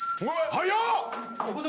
早っ！